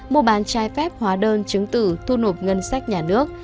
bùa bán che phép hóa đơn chứng từ thu nộp ngân sách nhà nước